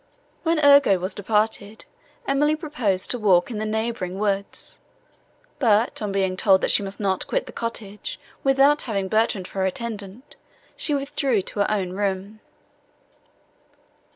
When Ugo was departed, Emily proposed to walk in the neighbouring woods; but, on being told, that she must not quit the cottage, without having Bertrand for her attendant, she withdrew to her own room.